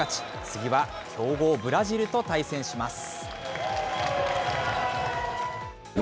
次は強豪ブラジルと対戦します。